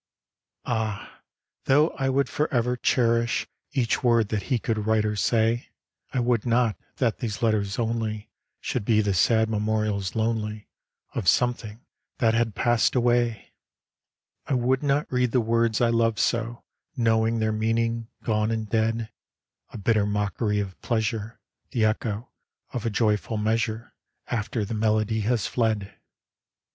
'^ Ah ! though I would for ever cherish Each word that He could write or say, I would not that these letters only Should be the sad memorials lonely Of something that had pass'd away ! Burning L etters. 6 1 '"S I would not read the words I loved so, Knowing their meaning gone and dead, A bitter mockery of Pleasure, The echo of a joyful measure After the melody had fled